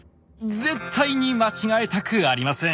絶対に間違えたくありません。